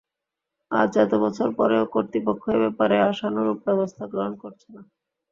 আজ এত বছর পরেও কর্তৃপক্ষ এ ব্যাপারে আশানুরূপ ব্যবস্থা গ্রহণ করছে না।